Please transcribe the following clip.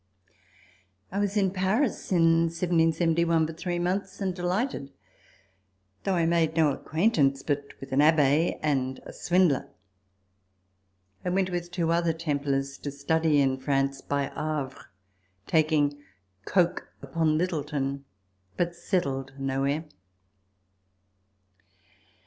I was at Paris in 1771 for three months and delighted though I made no acquaintance but with an Abb, and a Swindler. I went with two other Templars to study in France, by Havre, taking Coke upon Littleton but settled nowhere.